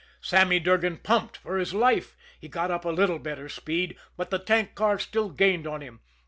Sammy Durgan pumped for his life. He got up a little better speed but the tank car still gained on him.